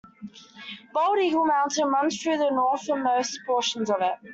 Bald Eagle Mountain runs through the northernmost portions of it.